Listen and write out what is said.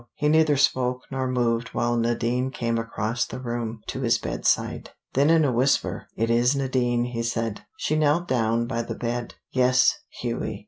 He neither spoke nor moved while Nadine came across the room to his bedside. Then in a whisper: "It is Nadine," he said. She knelt down by the bed. "Yes, Hughie.